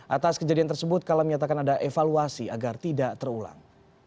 atas kejadian tersebut kala menyatakan ada evaluasi agar tidak terulang